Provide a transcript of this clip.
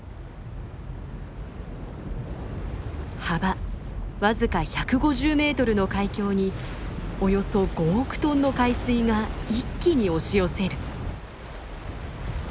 幅わずか１５０メートルの海峡におよそ５億トンの海水が一気に押し寄せる。